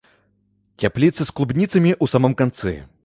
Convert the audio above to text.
Цяпліца з клубніцамі ў самым канцы.